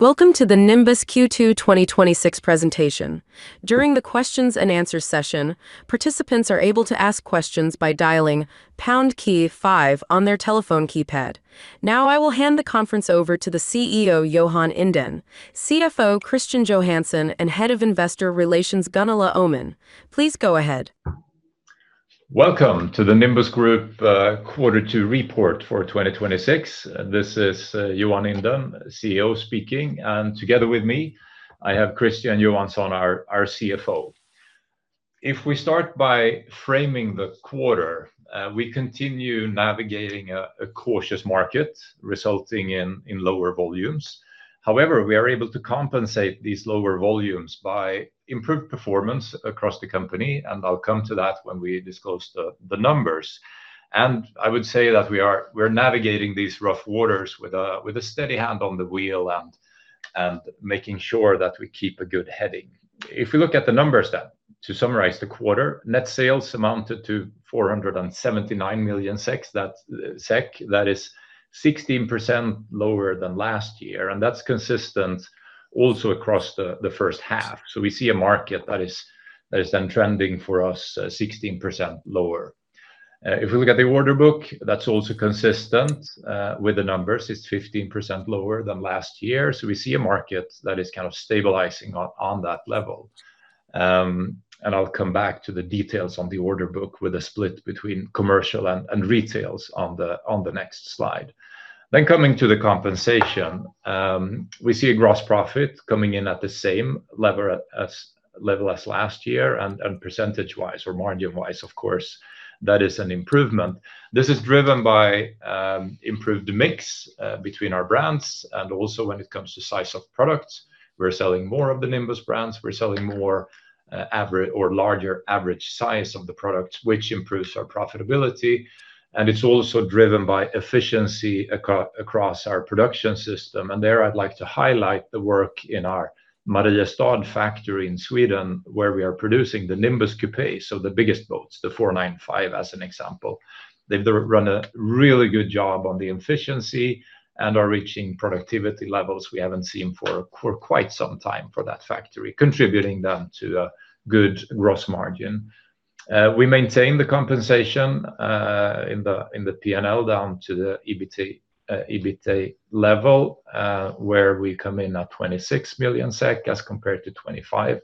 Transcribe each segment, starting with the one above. Welcome to the Nimbus Q2 2026 Presentation. During the questions and answers session, participants are able to ask questions by dialing pound key five on their telephone keypad. I will hand the conference over to the CEO, Johan Inden, CFO Christian Johansson, and Head of Investor Relations, Gunilla Öhman. Please go ahead. Welcome to the Nimbus Group quarter two report for 2026. This is Johan Inden, CEO speaking, and together with me I have Christian Johansson, our CFO. We start by framing the quarter, we continue navigating a cautious market resulting in lower volumes. We are able to compensate these lower volumes by improved performance across the company, I'll come to that when we disclose the numbers. I would say that we're navigating these rough waters with a steady hand on the wheel and making sure that we keep a good heading. We look at the numbers then, to summarize the quarter, net sales amounted to 479 million SEK. That is 16% lower than last year, and that's consistent also across the first half. We see a market that is then trending for us 16% lower. We look at the order book, that's also consistent with the numbers, it's 15% lower than last year. We see a market that is kind of stabilizing on that level. I'll come back to the details on the order book with a split between commercial and retails on the next slide. Coming to the compensation, we see a gross profit coming in at the same level as last year, and percentage-wise, or margin-wise, of course, that is an improvement. This is driven by improved mix between our brands and also when it comes to size of products, we're selling more of the Nimbus brands. We're selling more or larger average size of the products, which improves our profitability, and it's also driven by efficiency across our production system. There I'd like to highlight the work in our Mariestad factory in Sweden, where we are producing the Nimbus Coupés, so the biggest boats, the 495, as an example. They've done a really good job on the efficiency and are reaching productivity levels we haven't seen for quite some time for that factory, contributing then to a good gross margin. We maintain the compensation in the P&L down to the EBITA level, where we come in at 26 million SEK as compared to 25 million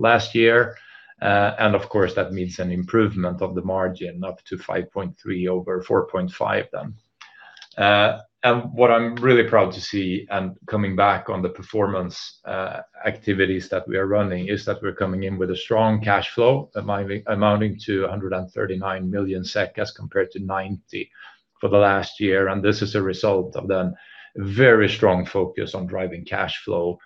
last year. Of course, that means an improvement of the margin up to 5.3 over 4.5 then. What I'm really proud to see, and coming back on the performance activities that we are running, is that we're coming in with a strong cash flow amounting to 139 million SEK as compared to 90 million for the last year. This is a result of the very strong focus on driving cash flow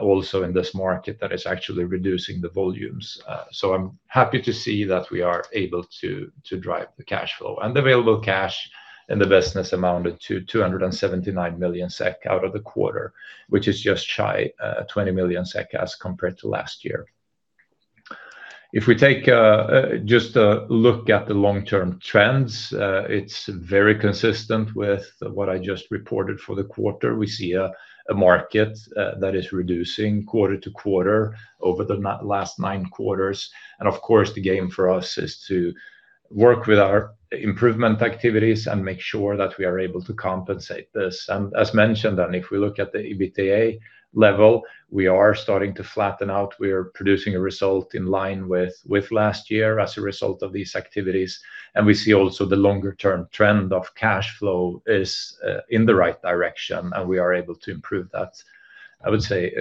also in this market that is actually reducing the volumes. I am happy to see that we are able to drive the cash flow, and available cash in the business amounted to 279 million SEK out of the quarter, which is just shy 20 million SEK as compared to last year. If we take just a look at the long-term trends, it is very consistent with what I just reported for the quarter. We see a market that is reducing quarter to quarter over the last nine quarters. Of course, the game for us is to work with our improvement activities and make sure that we are able to compensate this. As mentioned then, if we look at the EBITA level, we are starting to flatten out. We are producing a result in line with last year as a result of these activities, and we see also the longer-term trend of cash flow is in the right direction, and we are able to improve that, I would say,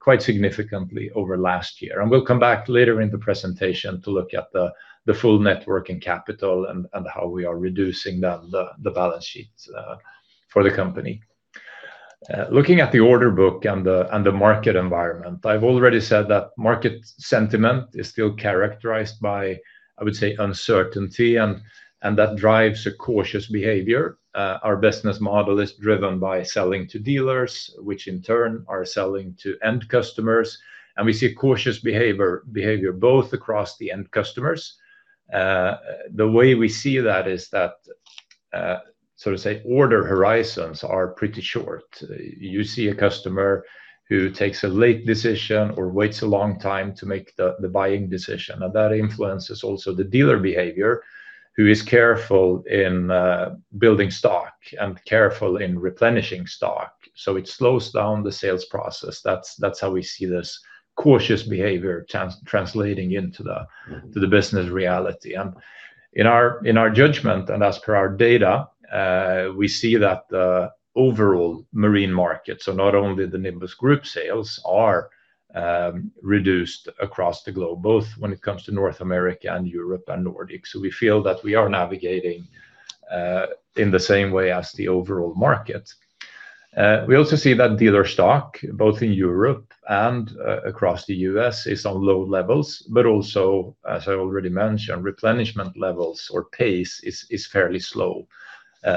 quite significantly over last year. We will come back later in the presentation to look at the full net working capital and how we are reducing the balance sheet for the company. Looking at the order book and the market environment, I have already said that market sentiment is still characterized by, I would say, uncertainty and that drives a cautious behavior. Our business model is driven by selling to dealers, which in turn are selling to end customers, and we see cautious behavior both across the end customers. The way we see that is that sort of say order horizons are pretty short. You see a customer who takes a late decision or waits a long time to make the buying decision, and that influences also the dealer behavior, who is careful in building stock and careful in replenishing stock, so it slows down the sales process. That is how we see this cautious behavior translating into the business reality. In our judgment, and as per our data, we see that the overall marine market, so not only the Nimbus Group sales, are reduced across the globe, both when it comes to North America and Europe and Nordic. We feel that we are navigating in the same way as the overall market. We also see that dealer stock, both in Europe and across the U.S., is on low levels. Also, as I already mentioned, replenishment levels or pace is fairly slow,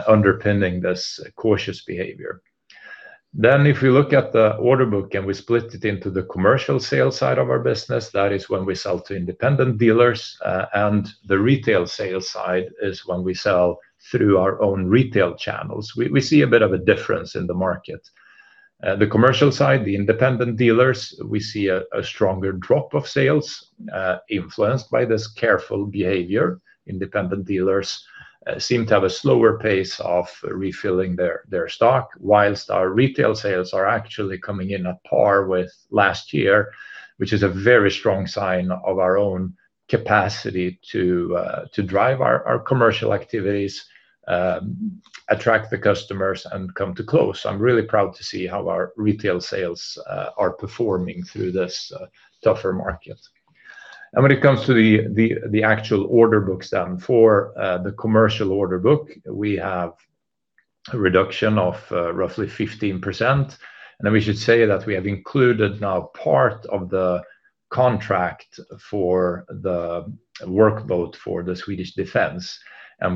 underpinning this cautious behavior. If we look at the order book and we split it into the commercial sales side of our business, that is when we sell to independent dealers, and the retail sales side is when we sell through our own retail channels. We see a bit of a difference in the market. The commercial side, the independent dealers, we see a stronger drop of sales influenced by this careful behavior. Independent dealers seem to have a slower pace of refilling their stock, whilst our retail sales are actually coming in at par with last year, which is a very strong sign of our own capacity to drive our commercial activities, attract the customers, and come to close. I am really proud to see how our retail sales are performing through this tougher market. When it comes to the actual order books, for the commercial order book, we have a reduction of roughly 15%. We should say that we have included now part of the contract for the work boat for the Swedish Defense, and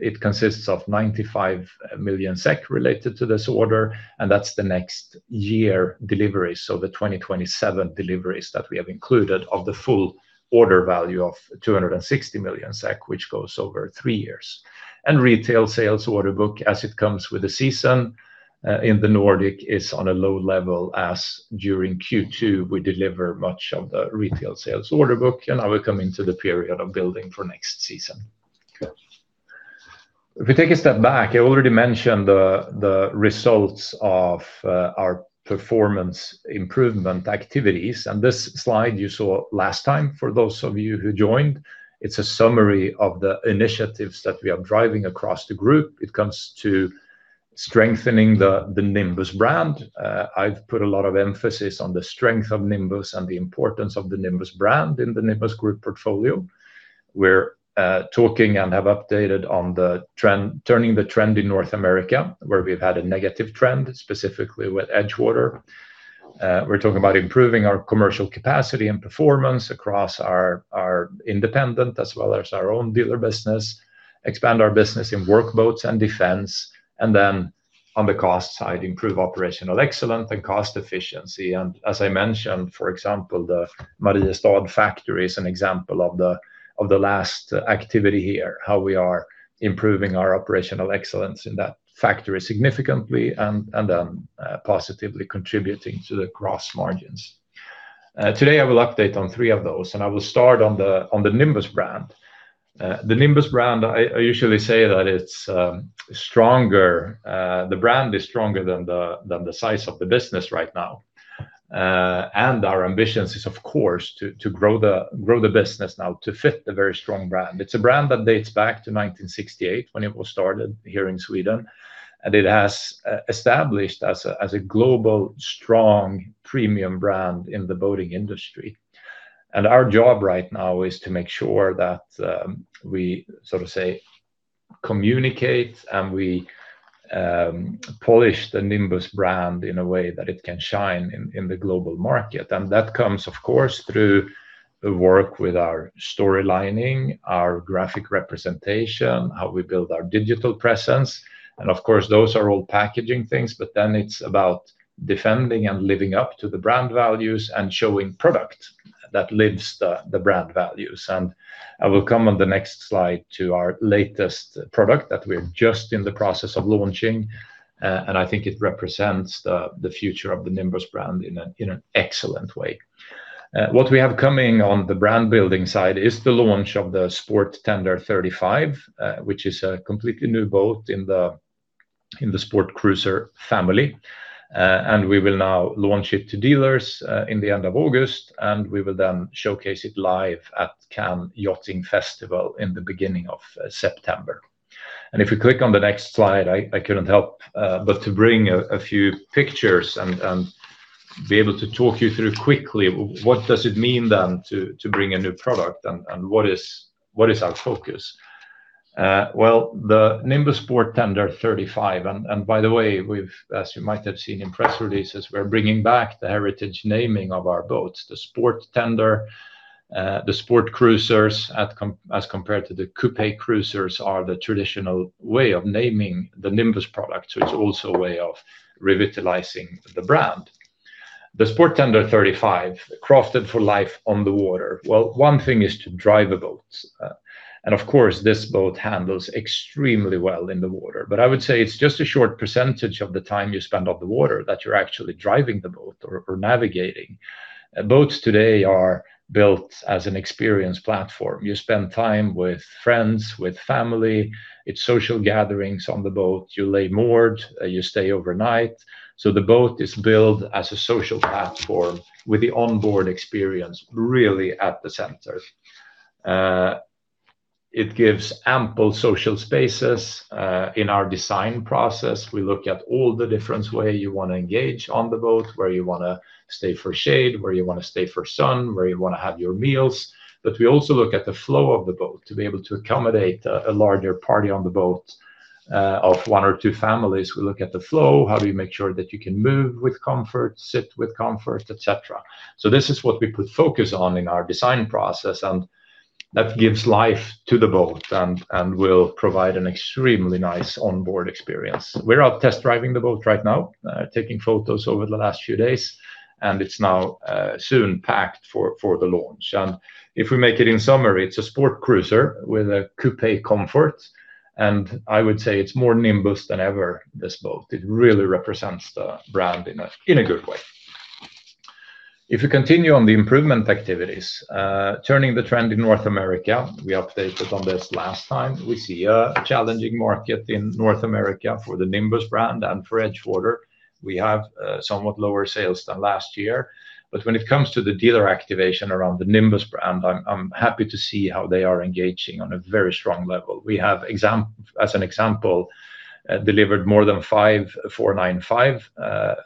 it consists of 95 million SEK related to this order, and that is the 2027 deliveries that we have included of the full order value of 260 million SEK, which goes over three years. Retail sales order book, as it comes with the season in the Nordic, is on a low level as during Q2, we deliver much of the retail sales order book, and now we are coming to the period of building for next season. If we take a step back, I already mentioned the results of our performance improvement activities, and this slide you saw last time, for those of you who joined, it is a summary of the initiatives that we are driving across the group. It comes to strengthening the Nimbus brand. I have put a lot of emphasis on the strength of Nimbus and the importance of the Nimbus brand in the Nimbus Group portfolio. We are talking and have updated on turning the trend in North America, where we have had a negative trend specifically with EdgeWater. We are talking about improving our commercial capacity and performance across our independent as well as our own dealer business, expand our business in work boats and defense, and on the cost side, improve operational excellence and cost efficiency. As I mentioned, for example, the Mariestad factory is an example of the last activity here, how we are improving our operational excellence in that factory significantly and then positively contributing to the gross margins. Today, I will update on three of those, and I will start on the Nimbus brand. The Nimbus brand, I usually say that the brand is stronger than the size of the business right now. Our ambitions is, of course, to grow the business now to fit the very strong brand. It is a brand that dates back to 1968 when it was started here in Sweden, and it has established as a global, strong premium brand in the boating industry. Our job right now is to make sure that we sort of say, communicate, and we polish the Nimbus brand in a way that it can shine in the global market. That comes, of course, through work with our story lining, our graphic representation, how we build our digital presence. Of course, those are all packaging things, but then it is about defending and living up to the brand values and showing product that lives the brand values. I will come on the next slide to our latest product that we are just in the process of launching, and I think it represents the future of the Nimbus brand in an excellent way. What we have coming on the brand-building side is the launch of the Sport Tender 35, which is a completely new boat in the Sport Cruiser family. We will now launch it to dealers in the end of August, and we will then showcase it live at Cannes Yachting Festival in the beginning of September. If we click on the next slide, I couldn't help but to bring a few pictures and be able to talk you through quickly, what does it mean then to bring a new product and what is our focus? The Sport Tender 35, and by the way, as you might have seen in press releases, we're bringing back the heritage naming of our boats, the Sport Tender, the Sport Cruisers, as compared to the Coupé Cruisers, are the traditional way of naming the Nimbus product, so it's also a way of revitalizing the brand. The Sport Tender 35, crafted for life on the water. One thing is to drive a boat, and of course, this boat handles extremely well in the water. I would say it's just a short percentage of the time you spend on the water that you're actually driving the boat or navigating. Boats today are built as an experience platform. You spend time with friends, with family, it's social gatherings on the boat, you lay moored, you stay overnight. The boat is built as a social platform with the onboard experience really at the center. It gives ample social spaces. In our design process, we look at all the different way you want to engage on the boat, where you want to stay for shade, where you want to stay for sun, where you want to have your meals. We also look at the flow of the boat to be able to accommodate a larger party on the boat of one or two families. We look at the flow, how do you make sure that you can move with comfort, sit with comfort, et cetera. This is what we put focus on in our design process, and that gives life to the boat and will provide an extremely nice onboard experience. We're out test driving the boat right now, taking photos over the last few days, and it's now soon packed for the launch. If we make it in summary, it's a Sport Cruiser with a coupé comfort, and I would say it's more Nimbus than ever, this boat. It really represents the brand in a good way. If you continue on the improvement activities, turning the trend in North America, we updated on this last time. We see a challenging market in North America for the Nimbus brand and for EdgeWater. We have somewhat lower sales than last year. When it comes to the dealer activation around the Nimbus brand, I'm happy to see how they are engaging on a very strong level. We have, as an example, delivered more than five 495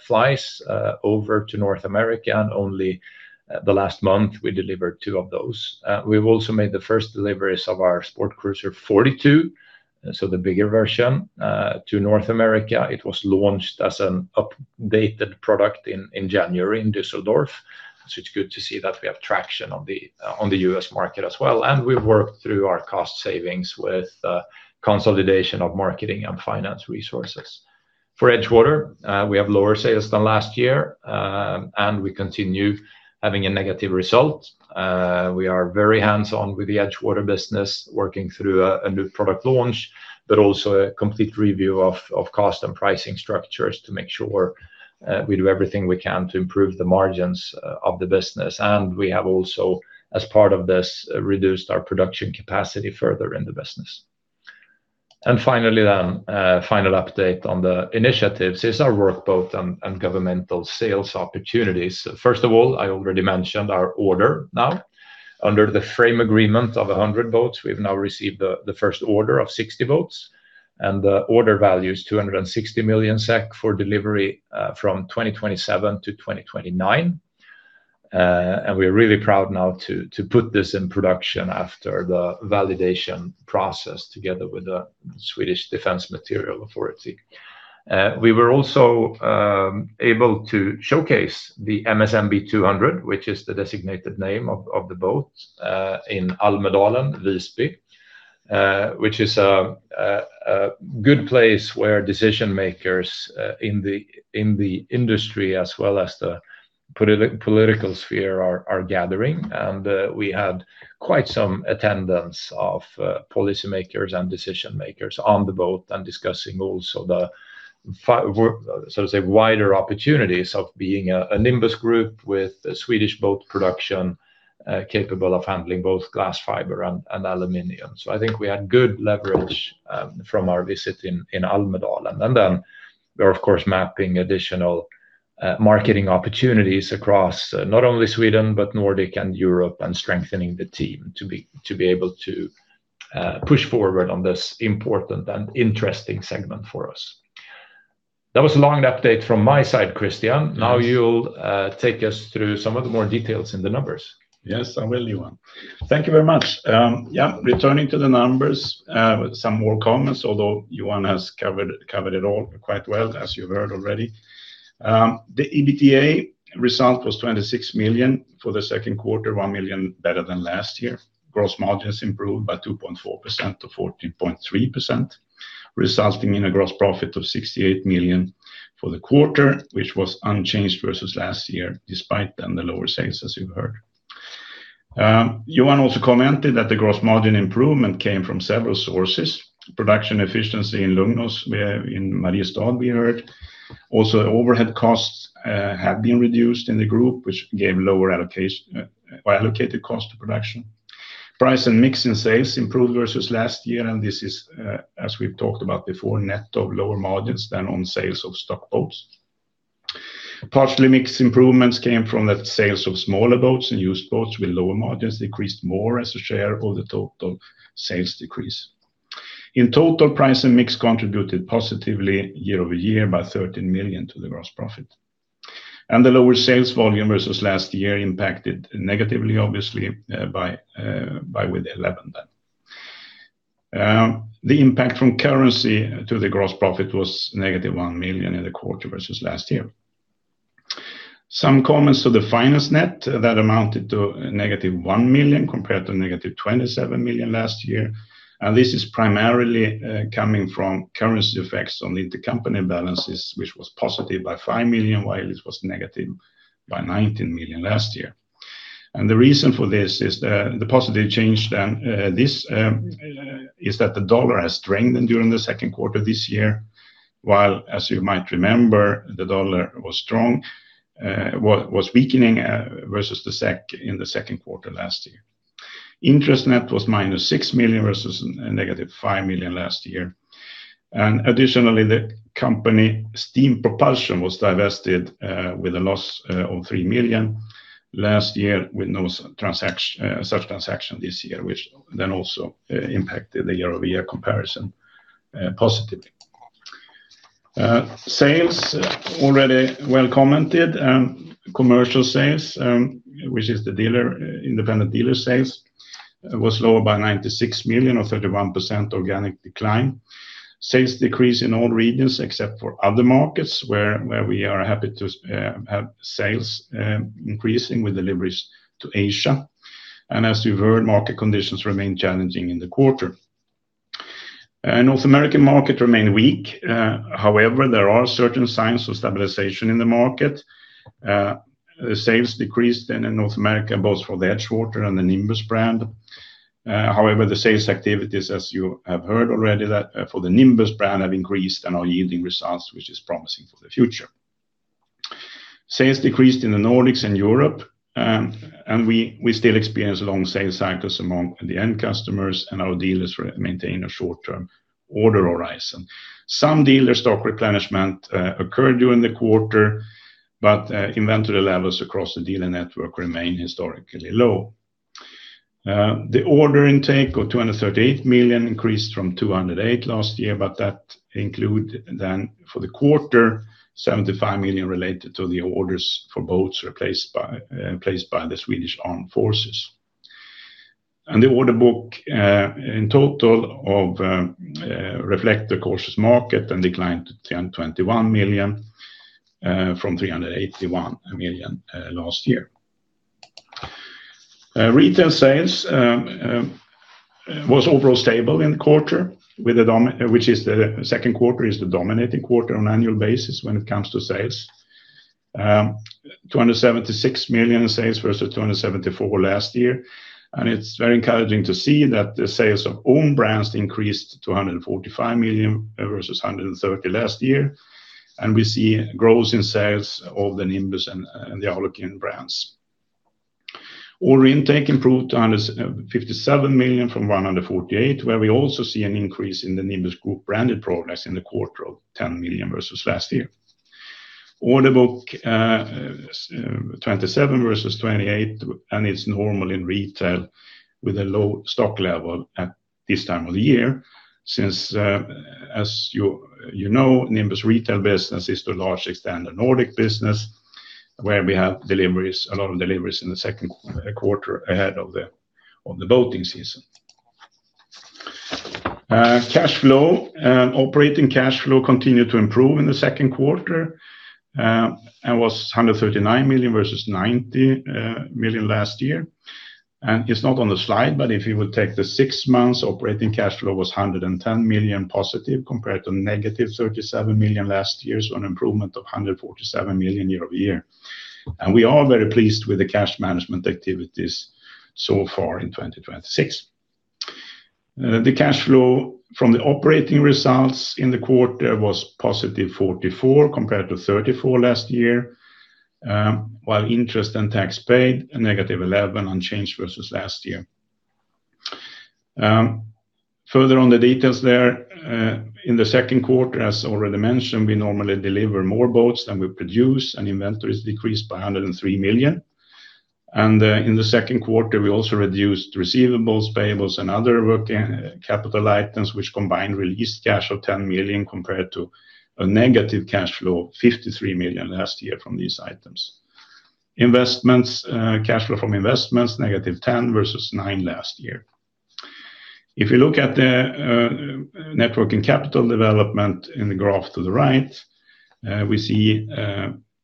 Fly over to North America, and only the last month, we delivered two of those. We've also made the first deliveries of our Sport Cruiser 42, so the bigger version, to North America. It was launched as an updated product in January in Düsseldorf. It's good to see that we have traction on the U.S. market as well. We've worked through our cost savings with consolidation of marketing and finance resources. For EdgeWater, we have lower sales than last year, and we continue having a negative result. We are very hands-on with the EdgeWater business, working through a new product launch, but also a complete review of cost and pricing structures to make sure we do everything we can to improve the margins of the business. We have also, as part of this, reduced our production capacity further in the business. Finally then, final update on the initiatives is our workboat and governmental sales opportunities. First of all, I already mentioned our order now. Under the frame agreement of 100 boats, we've now received the first order of 60 boats, and the order value is 260 million SEK for delivery from 2027 to 2029. We're really proud now to put this in production after the validation process together with the Swedish Defence Materiel Administration. We were also able to showcase the MSMB200, which is the designated name of the boat, in Almedalen, Visby, which is a good place where decision-makers in the industry as well as the political sphere are gathering. We had quite some attendance of policy makers and decision makers on the boat and discussing also the wider opportunities of being a Nimbus Group with a Swedish boat production capable of handling both glass, fiber, and aluminum. I think we had good leverage from our visit in Almedalen. Then we're, of course, mapping additional marketing opportunities across not only Sweden, but Nordic and Europe, and strengthening the team to be able to push forward on this important and interesting segment for us. That was a long update from my side, Christian. Yes. Now you'll take us through some of the more details in the numbers. Yes, I will, Johan. Thank you very much. Returning to the numbers, some more comments, although Johan has covered it all quite well, as you've heard already. The EBITA result was 26 million for the second quarter, 1 million better than last year. Gross margins improved by 2.4% to 14.3%, resulting in a gross profit of 68 million for the quarter, which was unchanged versus last year, despite then the lower sales, as you heard. Johan also commented that the gross margin improvement came from several sources. Production efficiency in Lugnås, in Mariestad, we heard. Also, overhead costs have been reduced in the Group, which gave lower allocated cost to production. Price and mix in sales improved versus last year, and this is, as we've talked about before, net of lower margins than on sales of stock boats. Partially, mix improvements came from the sales of smaller boats and used boats with lower margins decreased more as a share of the total sales decrease. In total, price and mix contributed positively year-over-year by 13 million to the gross profit. The lower sales volume versus last year impacted negatively, obviously, with 11 million. The impact from currency to the gross profit was -1 million in the quarter versus last year. Some comments to the finance net that amounted to -1 million compared to -27 million last year. This is primarily coming from currency effects on the intercompany balances, which was positive by 5 million, while it was negative by 19 million last year. The reason for this is the positive change then, is that the dollar has strengthened during the second quarter this year, while, as you might remember, the dollar was weakening versus the SEK in the second quarter last year. Interest net was -6 million versus a -5 million last year. Additionally, the company steam propulsion was divested with a loss of 3 million last year with no such transaction this year, which then also impacted the year-over-year comparison positively. Sales, already well commented. Commercial sales, which is the independent dealer sales, was lower by 96 million, or 31% organic decline. Sales decreased in all regions except for other markets where we are happy to have sales increasing with deliveries to Asia. As you've heard, market conditions remain challenging in the quarter. North American market remained weak. However, there are certain signs of stabilization in the market. Sales decreased in North America, both for the EdgeWater and the Nimbus brand. However, the sales activities, as you have heard already, for the Nimbus brand have increased and are yielding results, which is promising for the future. Sales decreased in the Nordics and Europe, and we still experience long sales cycles among the end customers and our dealers maintain a short-term order horizon. Some dealer stock replenishment occurred during the quarter, but inventory levels across the dealer network remain historically low. The order intake of 238 million increased from 208 million last year, but that include then for the quarter, 75 million related to the orders for boats placed by the Swedish Armed Forces. The order book in total reflect the cautious market and declined to 321 million from 381 million last year. Retail sales was overall stable in the quarter, which is the second quarter is the dominating quarter on annual basis when it comes to sales. 276 million in sales versus 274 million last year, and it's very encouraging to see that the sales of own brands increased to 145 million versus 130 million last year. We see growth in sales of the Nimbus and the Alukin brands. Order intake improved to 157 million from 148 million, where we also see an increase in the Nimbus Group branded progress in the quarter of 10 million versus last year. Order book, 27 million versus 28 million, and it's normal in retail with a low stock level at this time of the year since, as you know, Nimbus retail business is to a large extent a Nordic business where we have a lot of deliveries in the second quarter ahead of the boating season. Operating cash flow continued to improve in the second quarter, was 139 million versus 90 million last year. It's not on the slide, but if you would take the six months, operating cash flow was 110 million positive compared to -37 million last year, so an improvement of 147 million year-over-year. We are very pleased with the cash management activities so far in 2026. The cash flow from the operating results in the quarter was +44 compared to 34 last year, while interest and tax paid a negative 11, unchanged versus last year. On the details there, in the second quarter, as already mentioned, we normally deliver more boats than we produce, and inventory is decreased by 103 million. In the second quarter, we also reduced receivables, payables, and other working capital items, which combined released cash of 10 million compared to a negative cash flow of 53 million last year from these items. Cash flow from investments, -10 versus 9 last year. If you look at the net working capital development in the graph to the right, we see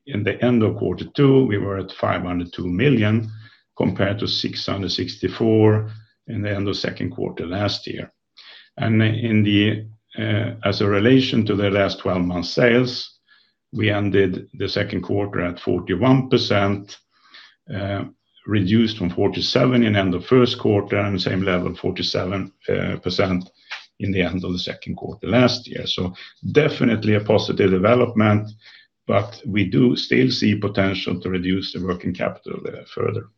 in the end of quarter two, we were at 502 million compared to 664 million in the end of second quarter last year. As a relation to the last 12 months' sales, we ended the second quarter at 41%, reduced from 47% in end of first quarter, and the same level, 47%, in the end of the second quarter last year. Definitely a positive development, but we do still see potential to reduce the working capital further.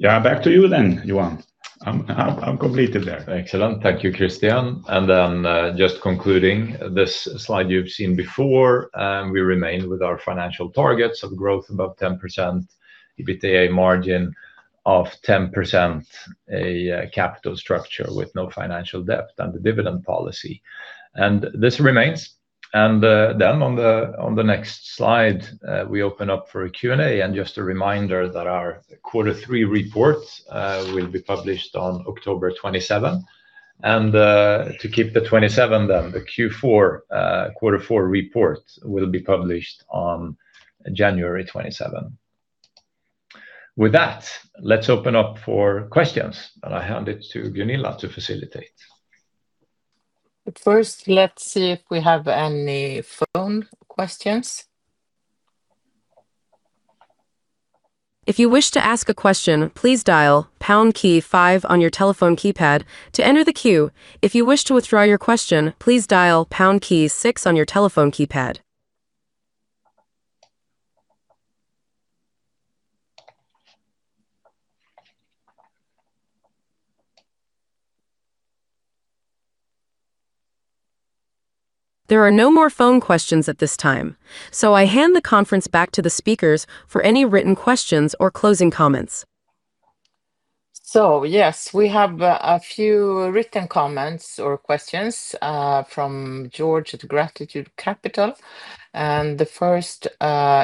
Back to you then, Johan. I'm completed there. Excellent. Thank you, Christian. Then, just concluding this slide you've seen before, we remain with our financial targets of growth above 10%, EBITA margin of 10%, a capital structure with no financial debt, and the dividend policy. This remains. On the next slide, we open up for a Q&A, just a reminder that our quarter three report will be published on October 27th. To keep the 27th, the quarter four report will be published on January 27th. With that, let's open up for questions, I hand it to Gunilla to facilitate. First, let's see if we have any phone questions. If you wish to ask a question, please dial pound key five on your telephone keypad to enter the queue. If you wish to withdraw your question, please dial pound key six on your telephone keypad. There are no more phone questions at this time. I hand the conference back to the speakers for any written questions or closing comments. Yes, we have a few written comments or questions from George at Gratitude Capital. The first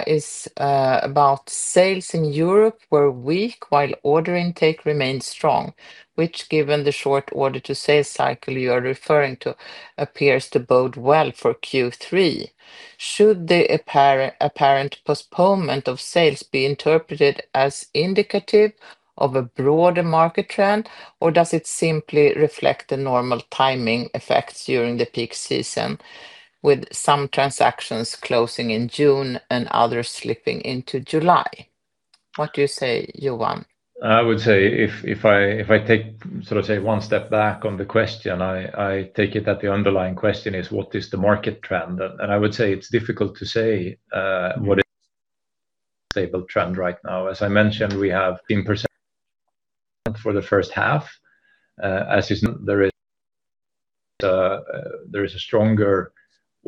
is about sales in Europe were weak while order intake remained strong, which, given the short order-to-sales cycle you are referring to, appears to bode well for Q3. Should the apparent postponement of sales be interpreted as indicative of a broader market trend, or does it simply reflect the normal timing effects during the peak season, with some transactions closing in June and others slipping into July? What do you say, Johan? I would say if I take one step back on the question, I take it that the underlying question is what is the market trend? I would say it's difficult to say what is a stable trend right now. As I mentioned, we have been percent for the first half. As is there is a stronger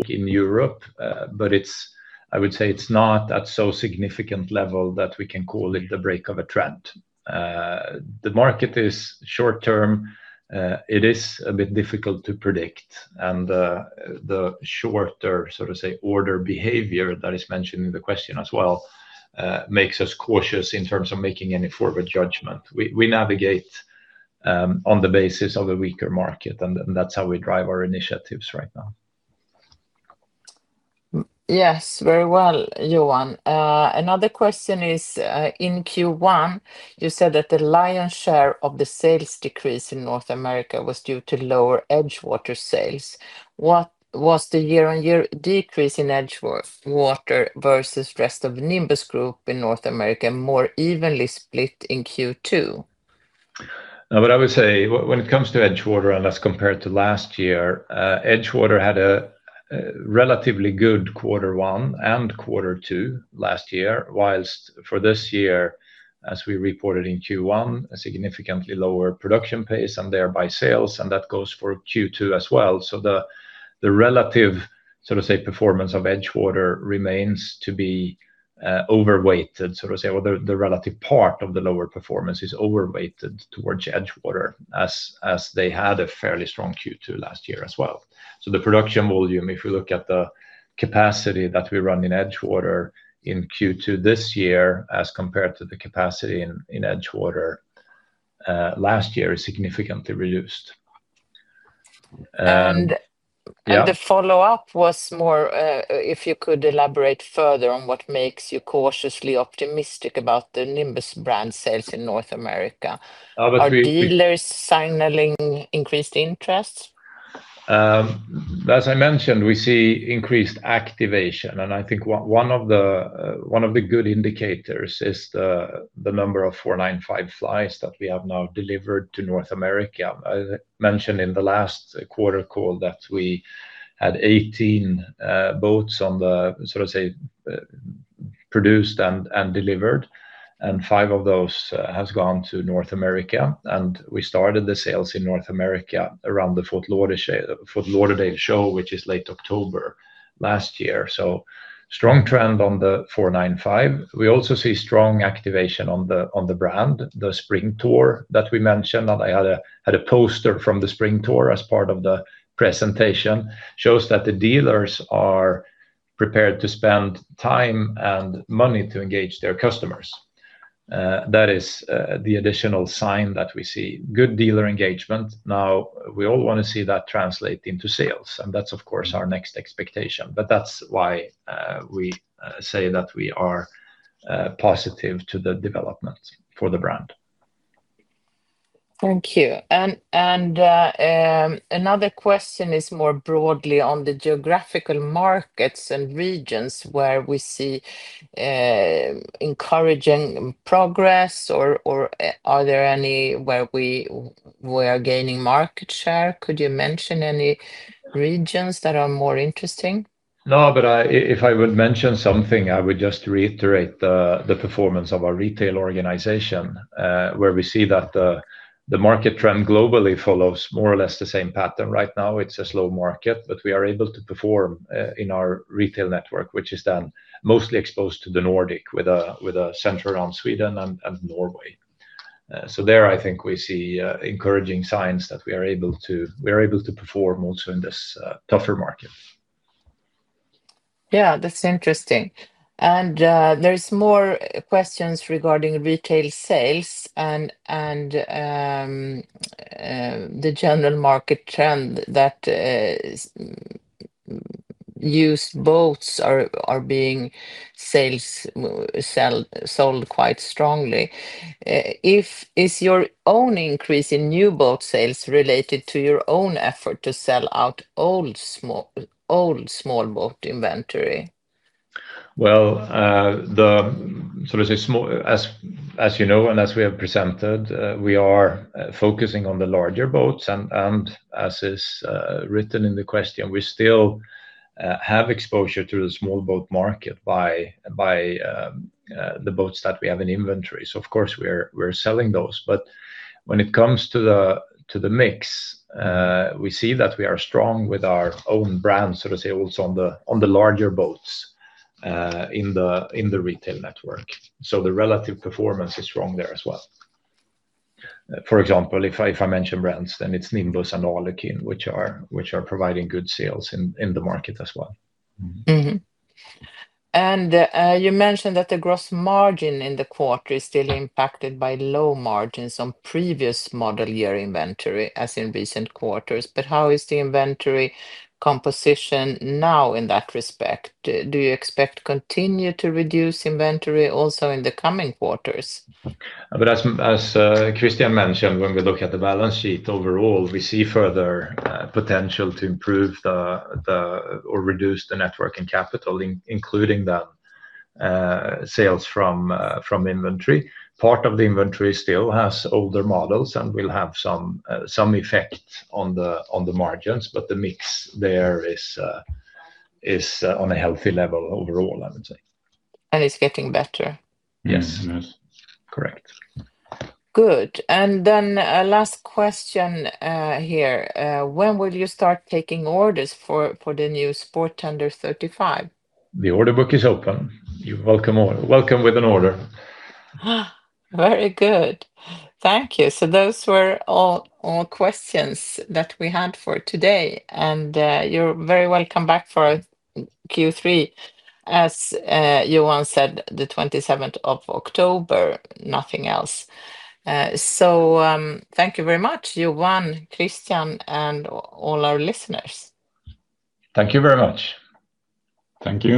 in Europe, but I would say it's not at so significant level that we can call it the break of a trend. The market is short-term, it is a bit difficult to predict. The shorter order behavior that is mentioned in the question as well, makes us cautious in terms of making any forward judgment. We navigate on the basis of a weaker market, and that's how we drive our initiatives right now. Yes. Very well, Johan. Another question is, in Q1, you said that the lion's share of the sales decrease in North America was due to lower EdgeWater sales. Was the year-on-year decrease in EdgeWater versus rest of Nimbus Group in North America more evenly split in Q2? I would say when it comes to EdgeWater, and that's compared to last year, EdgeWater had a relatively good Q1 and Q2 last year, whilst for this year, as we reported in Q1, a significantly lower production pace and thereby sales, and that goes for Q2 as well. The relative performance of EdgeWater remains to be over-weighted, or the relative part of the lower performance is over-weighted towards EdgeWater as they had a fairly strong Q2 last year as well. The production volume, if you look at the capacity that we run in EdgeWater in Q2 this year as compared to the capacity in EdgeWater last year, is significantly reduced. And- Yeah The follow-up was more, if you could elaborate further on what makes you cautiously optimistic about the Nimbus brand sales in North America. We Are dealers signaling increased interest? As I mentioned, we see increased activation, I think one of the good indicators is the number of 495 Fly that we have now delivered to North America. I mentioned in the last quarter call that we had 18 boats produced and delivered, and five of those has gone to North America, we started the sales in North America around the Fort Lauderdale Show, which is late October last year. Strong trend on the 495. We also see strong activation on the brand, the spring tour that we mentioned, I had a poster from the spring tour as part of the presentation, shows that the dealers are prepared to spend time and money to engage their customers. That is the additional sign that we see good dealer engagement. We all want to see that translate into sales, that's of course our next expectation, that's why we say that we are positive to the development for the brand. Thank you. Another question is more broadly on the geographical markets and regions where we see encouraging progress or are there any where we are gaining market share. Could you mention any regions that are more interesting? If I would mention something, I would just reiterate the performance of our retail organization, where we see that the market trend globally follows more or less the same pattern. Right now it's a slow market, we are able to perform in our retail network, which is done mostly exposed to the Nordic, with a center around Sweden and Norway. There, I think we see encouraging signs that we are able to perform also in this tougher market. Yeah, that's interesting. There's more questions regarding retail sales and the general market trend that used boats are being sold quite strongly. Is your own increase in new boat sales related to your own effort to sell out old small boat inventory? Well, as you know and as we have presented, we are focusing on the larger boats and as is written in the question, we still have exposure to the small boat market by the boats that we have in inventory. Of course, we're selling those. When it comes to the mix, we see that we are strong with our own brand, also on the larger boats, in the retail network. The relative performance is strong there as well. For example, if I mention brands, then it's Nimbus and Alukin, which are providing good sales in the market as well. You mentioned that the gross margin in the quarter is still impacted by low margins on previous model year inventory, as in recent quarters. How is the inventory composition now in that respect? Do you expect continue to reduce inventory also in the coming quarters? As Christian mentioned, when we look at the balance sheet overall, we see further potential to improve or reduce the network and capital, including the sales from inventory. Part of the inventory still has older models and will have some effect on the margins, but the mix there is on a healthy level overall, I would say. It's getting better. Yes. Yes. Correct. Good. Last question here. When will you start taking orders for the new Sport Tender 35? The order book is open. You're welcome with an order. Very good. Thank you. Those were all questions that we had for today, and you're very welcome back for Q3, as Johan said, October 27th, nothing else. Thank you very much, Johan, Christian, and all our listeners. Thank you very much. Thank you.